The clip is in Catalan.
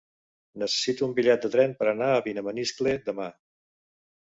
Necessito un bitllet de tren per anar a Vilamaniscle demà.